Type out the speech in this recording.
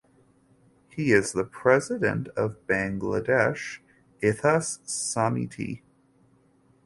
He is the President of Bangladesh Itihas Samiti.